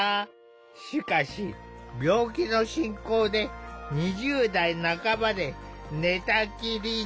しかし病気の進行で２０代半ばで寝たきりに。